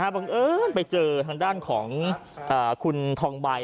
บังเอิญไปเจอทางด้านของคุณทองใบ